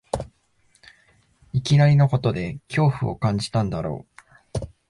いきなりのことで恐怖を感じたんだろう